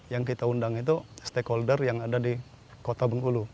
yang kita undang itu stakeholder yang ada di kota bengkulu